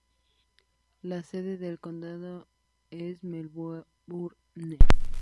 La sede del condado es Melbourne.